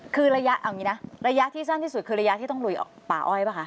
คือระยะที่สั้นที่สุดคือระยะที่ต้องลุยออกป่าอ้อยไหมคะ